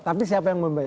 tapi siapa yang membaik